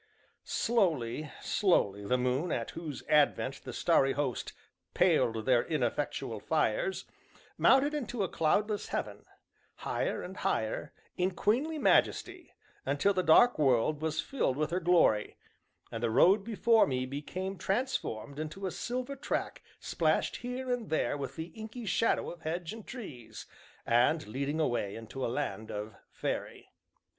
Slowly, slowly the moon, at whose advent the starry host "paled their ineffectual fires," mounted into a cloudless heaven, higher and higher, in queenly majesty, until the dark world was filled with her glory, and the road before me became transformed into a silver track splashed here and there with the inky shadow of hedge and trees, and leading away into a land of "Faerie."